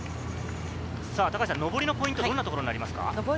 上りのポイントはどんなところですか？